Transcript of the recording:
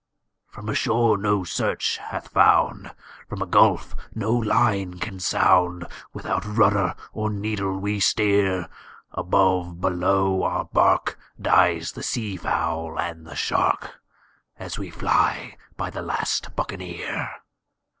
"From a shore no search hath found, from a gulf no line can sound, Without rudder or needle we steer; Above, below, our bark, dies the sea fowl and the shark, As we fly by the last Buccaneer.